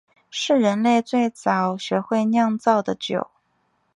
是人类最早学会酿造的酒。